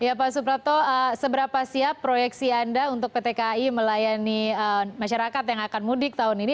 ya pak suprapto seberapa siap proyeksi anda untuk pt kai melayani masyarakat yang akan mudik tahun ini